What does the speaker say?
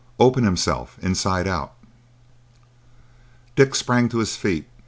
Open himself inside out." Dick sprang to his feet.